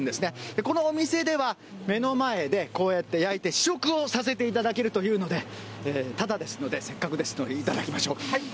このお店では、目の前でこうやって焼いて試食をさせていただけるというので、ただですので、せっかくですので頂きましょう。